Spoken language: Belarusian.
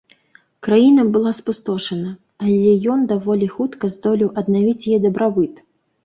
Краіна была спустошана, але ён даволі хутка здолеў аднавіць яе дабрабыт.